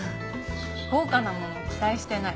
高価なもの期待してない。